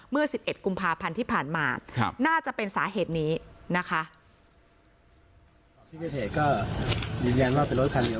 เมื่อ๑๑กุมภาพันธ์ที่ผ่านมาน่าจะเป็นสาเหตุนี้นะคะ